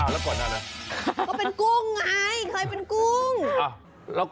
แล้วกุ้งเคยเป็นอะไร